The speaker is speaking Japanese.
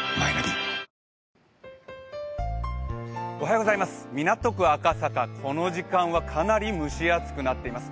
いいじゃないだって港区赤坂、この時間はかなり蒸し暑くなっています。